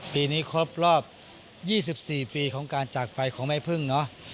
ปีนี้ครบรอบ๒๔ปีของการจากไปของแม่พึ่งเนาะ